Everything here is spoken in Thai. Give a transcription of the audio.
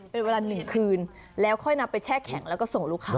เป็นเวลา๑คืนแล้วค่อยนำไปแช่แข็งแล้วก็ส่งลูกค้า